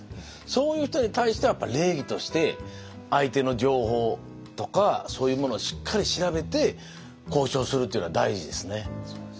そういう人に対してはやっぱり礼儀として相手の情報とかそういうものをしっかり調べて交渉するというのは大事ですね。